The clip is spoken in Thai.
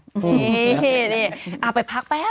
นี่ไปพักแป๊บ